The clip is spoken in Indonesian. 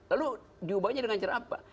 lalu diubahnya dengan cara apa